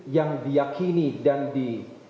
yang diakini dan di